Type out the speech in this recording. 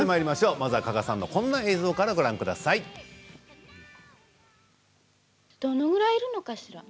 まずは加賀さんのこんな映像からご覧ください。